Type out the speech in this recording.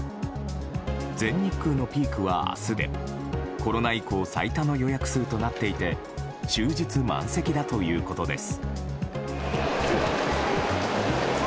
全日空のピークは明日でコロナ以降最多の予約数となっていて終日満席だということです。